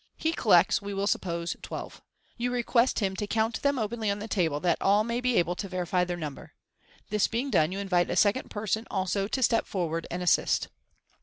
He collects, we will suppose, twelve. You request him to count them openly upon the table, that all may be able to verify their number. This being done, you invite a second person also to step forward and assist.